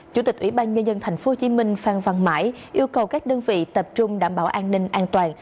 chủ tịch ủy ban nhân dân tp hcm phan văn mãi yêu cầu các đơn vị tập trung đảm bảo an ninh an toàn